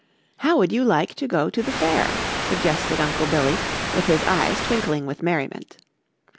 "How would you like to go to the fair?" suggested Uncle Billy with his eyes twinkling with merriment.